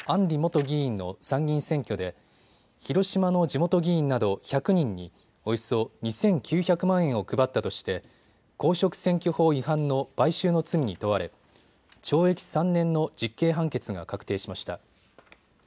里元議員の参議院選挙で広島の地元議員など１００人におよそ２９００万円を配ったとして公職選挙法違反の買収の罪に問われ懲役３年の実刑判決が確定しました。